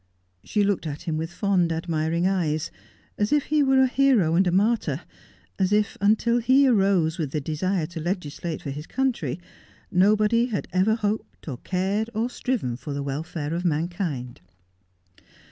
She looked at him with fond, admiring eyes, as if he were a hero and a martyr — as if, until he arose with the desire to legis late for his country, nobody had ever hoped, or cared, or striven for the welfare of mankind.